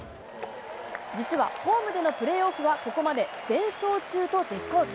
実は、ホームでのプレーオフは、ここまで全勝中と絶好調。